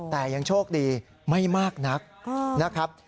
แต่ยังโชคดีไม่มากนักนะครับ